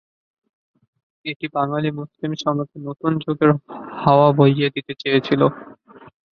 এটি বাঙালি মুসলিম সমাজে নতুন যুগের হাওয়া বইয়ে দিতে চেয়েছিল।